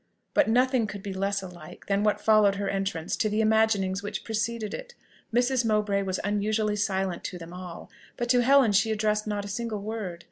But nothing could be less alike, than what followed her entrance, to the imaginings which preceded it. Mrs. Mowbray was unusually silent to them all, but to Helen she addressed not a single word.